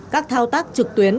các thao tác trực tuyến